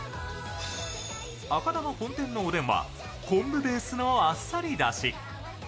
赤玉本店のおでんは、昆布ベースのあっさりだし。